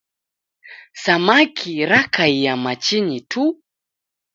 Samaki rakaia machinyi tu.